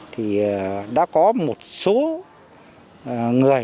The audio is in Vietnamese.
thì đã có một số đối tượng đã bị rầm nối